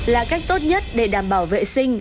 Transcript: là cách tốt nhất để đảm bảo vệ sinh